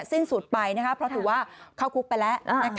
สิ้นสุดไปเพราะถือว่าเข้าคุกไปแล้ว